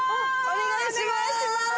お願いします